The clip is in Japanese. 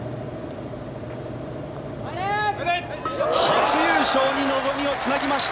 初優勝に望みをつなぎました